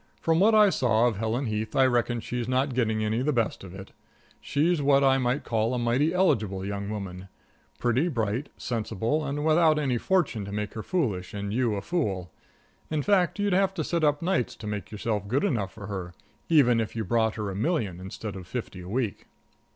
From what I saw of Helen Heath, I reckon she's not getting any the best of it. She's what I call a mighty eligible young woman pretty, bright, sensible, and without any fortune to make her foolish and you a fool. In fact, you'd have to sit up nights to make yourself good enough for her, even if you brought her a million, instead of fifty a week.